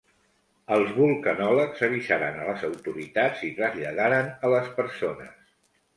Els vulcanòlegs avisaren a les autoritats i traslladaren a les persones.